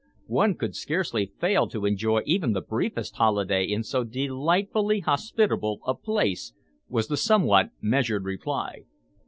"One could scarcely fail to enjoy even the briefest holiday in so delightfully hospitable a place," was the somewhat measured reply.